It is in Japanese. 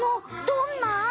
どんな？